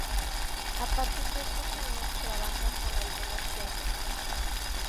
A partir de estos años trabaja con algunos teatros.